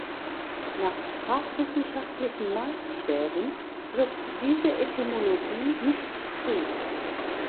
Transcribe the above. Nach sprachwissenschaftlichen Maßstäben trifft diese Etymologie nicht zu.